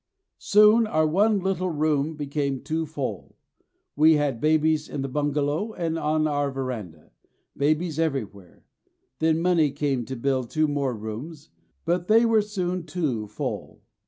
Soon our one little room became too full. We had babies in the bungalow and on our verandah, babies everywhere. Then money came to build two more rooms, but they were soon too full.